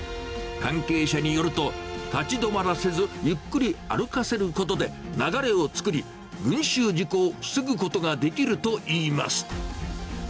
関係者によると、立ち止まらせず、ゆっくり歩かせることで、流れを作り、群衆事故を防ぐことができるといいます。